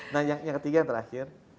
nah yang ketiga yang terakhir